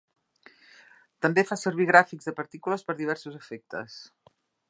També fa servir gràfics de partícules per a diversos efectes.